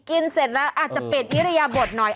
กินเสร็จแล้วอาจจะเปลี่ยนนิรยาบทหน่อย